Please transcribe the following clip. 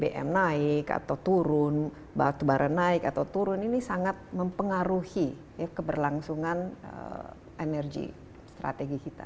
bm naik atau turun batu bara naik atau turun ini sangat mempengaruhi keberlangsungan energi strategi kita